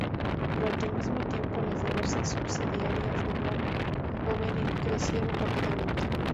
Durante el mismo tiempo, las diversas subsidiarias de Brown Boveri crecieron rápidamente.